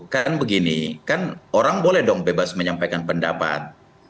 kan begini kan orang boleh dong bebas menyampaikan pendapat